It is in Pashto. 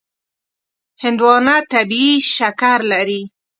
هندوانه طبیعي شکر لري.